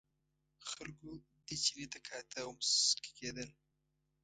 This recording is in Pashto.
خلکو دې چیني ته کاته او مسکي کېدل.